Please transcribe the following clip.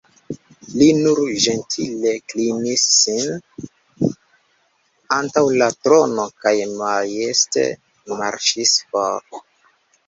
Li nur ĝentile klinis sin antaŭ la trono kaj majeste marŝis for.